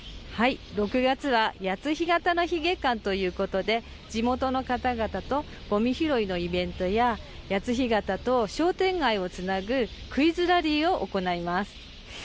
６月は谷津干潟の日月間ということで地元の方々とごみ拾いのイベントや谷津干潟と商店街をつなぐクイズラリーを行います。